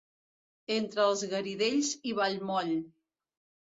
Entre els Garidells i Vallmoll.